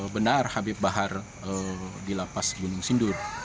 benar habib bahar dilapas gunung sindur